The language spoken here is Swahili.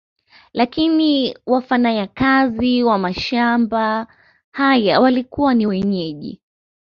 Lakini wafanayakazi wa mashamaba haya walikuwa ni wenyeji